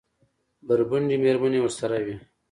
بربنډې مېرمنې ورسره وې.